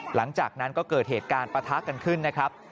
หลังจากนั้นก็เกิดเหตุการณ์ปะทะกันขึ้นนะครับ